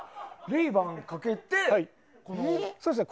レイバンかけてね。